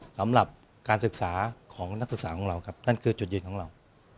สำหรับการศึกษาของนักศึกษาของเราครับนั่นคือจุดยืนของเรา